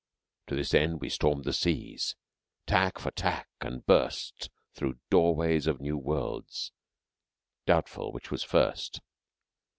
To this end we stormed the seas, tack for tack, and burst Through the doorways of new worlds, doubtful which was first.